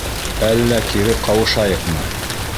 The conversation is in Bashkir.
Әллә кире ҡауышайыҡмы?